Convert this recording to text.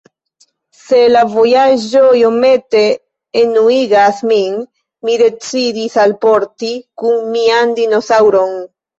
Se la vojaĝo iomete enuigas min, mi decidis alporti kun mian dinosaŭron.